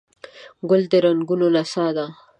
ګل د رنګونو نڅا ده.